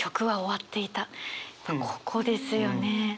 ここですよね。